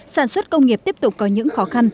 sản xuất công nghiệp tiếp tục có những khó khăn